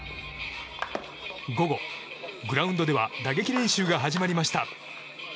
午後、グラウンドでは打撃練習が始まりました。